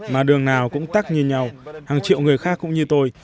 mà đường nào cũng tắc như nhau hàng triệu người khác cũng như tôi